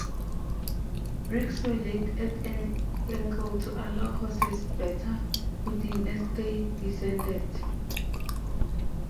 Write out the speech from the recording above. Bricks were laid at an angle to allow horses better footing as they descended.